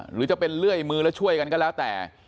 หรือจะเป็นเลื่อยมือแล้วช่วยกันก็แล้วแต่